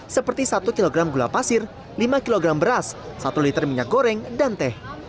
seperti satu kg gula pasir lima kg beras satu liter minyak goreng dan teh